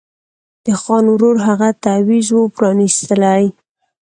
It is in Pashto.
د خان ورور هغه تعویذ وو پرانیستلی